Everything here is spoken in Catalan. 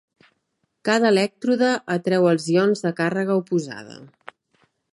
Cada elèctrode atreu els ions de càrrega oposada.